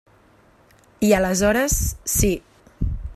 I aleshores sí.